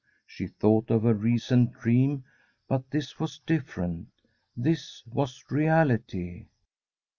She thought of her recent dream, but this was different — ^this was reality.